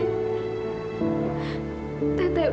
kau ada kau ada teteh dewi